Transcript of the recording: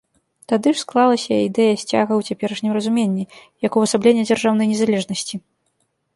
Тады ж склалася і ідэя сцяга ў цяперашнім разуменні, як увасаблення дзяржаўнай незалежнасці.